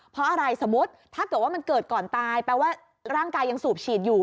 เพราะอะไรสมมุติถ้าเกิดว่ามันเกิดก่อนตายแปลว่าร่างกายยังสูบฉีดอยู่